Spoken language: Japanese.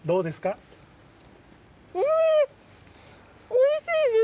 おいしいです。